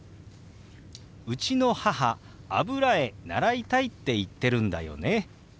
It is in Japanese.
「うちの母油絵習いたいって言ってるんだよね」。